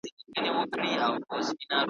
له څه باندي پنځه ویشتو کالو راهیسي پېژندل ,